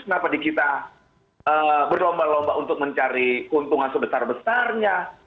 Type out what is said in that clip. kenapa di kita berlomba lomba untuk mencari keuntungan sebesar besarnya